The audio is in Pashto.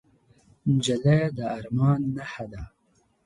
نجلۍ د ارمان نښه ده.